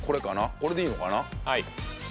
これでいいのかな？